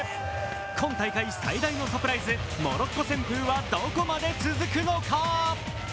今大会最大のサプライズ、モロッコ旋風はどこまで続くのか。